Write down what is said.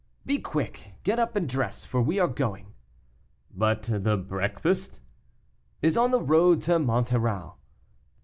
"Be quick; get up and dress, for we are going." "But the breakfast?" "Is on the road to Monterau."